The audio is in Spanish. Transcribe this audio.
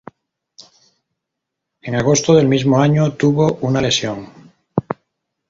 En agosto del mismo año tuvo una lesión.